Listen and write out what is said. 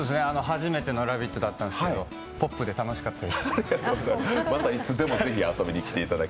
初めての「ラヴィット！」だったんですけどポップで楽しかったです。